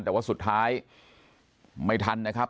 แต่ว่าสุดท้ายไม่ทันนะครับ